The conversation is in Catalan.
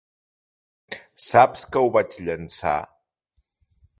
Saps que ho vaig llençar?